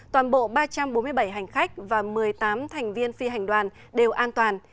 toàn bộ ba trăm bốn mươi bảy hành khách và một mươi tám thành viên phi hành đoàn đều an toàn